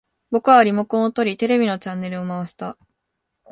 僕はリモコンを取り、テレビのチャンネルを回した